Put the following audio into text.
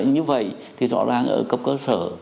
như vậy thì rõ ràng ở cấp cơ sở